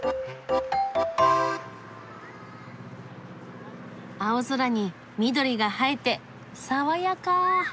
青空に緑が映えて爽やか。